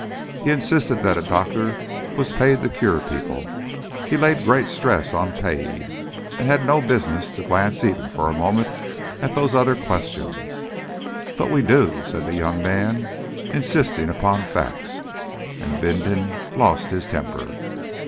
He insisted that a doctor was paid to cure people he laid great stress on "paid" and had no business to glance even for a moment at "those other questions." "But we do," said the young man, insisting upon facts, and Bindon lost his temper.